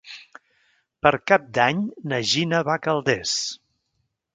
Per Cap d'Any na Gina va a Calders.